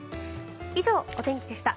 以上、お天気でした。